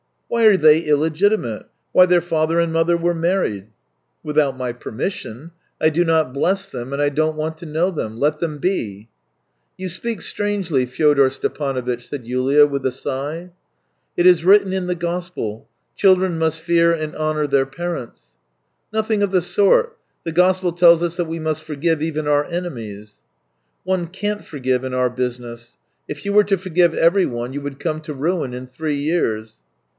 " Why are they illegitimate ? Why, their father and mother were married." " Without my permission. I did not bless them, and I don't want to know them. Let them be." " You speak strangely, Fyodor Stepanovitch," said Yulia, with a sigh. THREE YEARS 301 " It is written in the Gospel: children must fear and honour their parents." " Nothing of the sort. The Gospel tells us that we must forgive even our enemies." •" One can't forgive in our business. If you were to forgive everyone, you would come to ruin in three years."